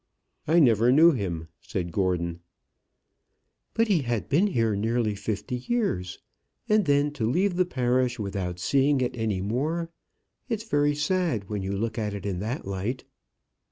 "I never knew him," said Gordon. "But he had been here nearly fifty years. And then to leave the parish without seeing it any more. It's very sad when you look at it in that light."